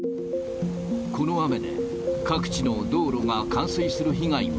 この雨で、各地の道路が冠水する被害も。